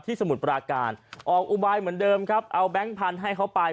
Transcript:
สมุทรปราการออกอุบายเหมือนเดิมครับเอาแบงค์พันธุ์ให้เขาไป